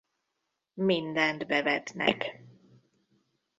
Mindent bevetnek.